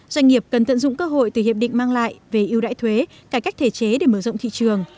doanh nghiệp cần tận dụng cơ hội từ hiệp định mang lại về ưu đãi thuế cải cách thể chế để mở rộng thị trường